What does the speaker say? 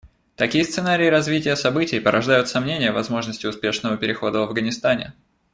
Такие сценарии развития событий порождают сомнения в возможности успешного перехода в Афганистане.